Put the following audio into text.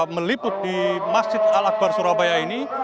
meliput di masjid al akbar surabaya ini